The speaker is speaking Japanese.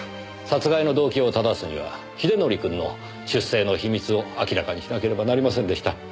殺害の動機をただすには英則くんの出生の秘密を明らかにしなければなりませんでした。